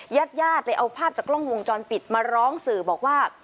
ญาติญาติเลยเอาภาพจากกล้องวงจรปิดมาร้องสื่อบอกว่า